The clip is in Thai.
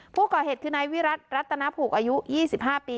ผู้ก่อเหตุคือนายวิรัติรัตนภูกิอายุยี่สิบห้าปี